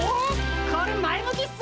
これ前向きっす！